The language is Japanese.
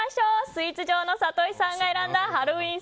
スイーツ女王の里井さんが選んだハロウィーン